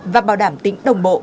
và bảo đảm tính đồng bộ